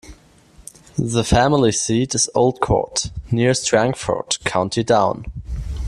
The family seat is Old Court, near Strangford, County Down.